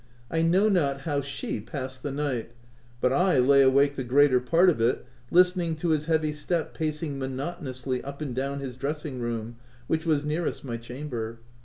I know not how she passed the night, but I lay awake the greater part of it listening to his heavy step pacing monotonously up and down his dressing room, which was nearest my chamber.